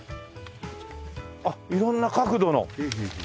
あっ色んな角度の。